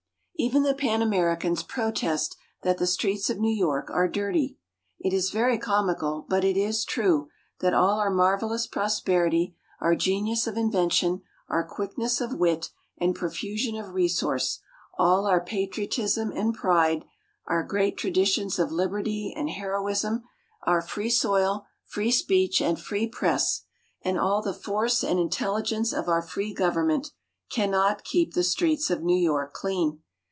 Even the Pan Americans protest that the streets of New York are dirty. It is very comical, but it is true, that all our marvellous prosperity, our genius of invention, our quickness of wit, and profusion of resource; all our patriotism and pride, our great traditions of liberty and heroism, our free soil, free speech, and free press; and all the force and intelligence of our free government cannot keep the streets of New York clean.